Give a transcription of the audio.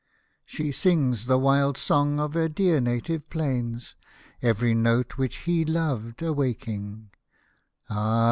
She sings the wild song of her dear native plains. Every note which he loved awaking ;— Ah